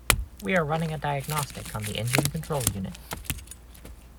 We are running a diagnostic on the engine control unit.